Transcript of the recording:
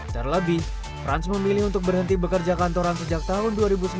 terlebih frans memilih untuk berhenti bekerja kantoran sejak tahun dua ribu sembilan belas